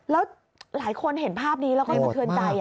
แล้วหลายคนเห็นภาพนี้แล้วก็สะเทือนใจ